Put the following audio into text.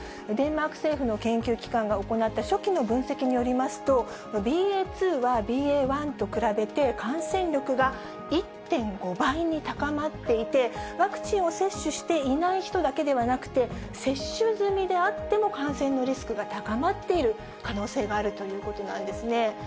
デンマーク政府の研究機関が行った初期の分析によりますと、ＢＡ．２は、ＢＡ．１と比べて感染力が１．５倍に高まっていて、ワクチンを接種していない人だけではなくて、接種済みであっても感染のリスクが高まっている可能性があるということなんですね。